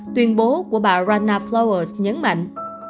tuyên bố của bà rana flowers nhấn mạnh